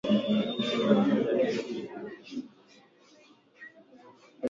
Mnyama huelekea upepo unakotokea akiwa amefungua pua ikiwa ni dalili ya homa ya mapafu